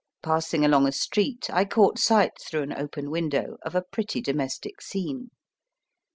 Passing along a street I caught sight through an open window of a pretty domestic scene.